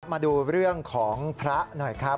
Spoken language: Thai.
มาดูเรื่องของพระหน่อยครับ